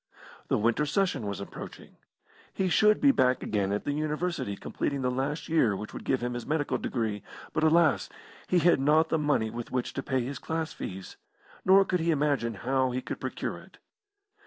The winter session was approaching. He should be back again at the University completing the last year which would give him his medical degree; but, alas! he had not the money with which to pay his class fees, nor could he imagine how he could procure it.